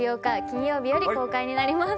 金曜日より公開になります。